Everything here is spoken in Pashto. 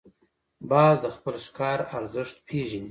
باز د خپل ښکار ارزښت پېژني